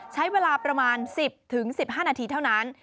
ใช้เวลาประมาณ๑๐๑๕นาทีเท่านั้น